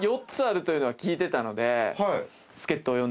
４つあるというのは聞いてたので。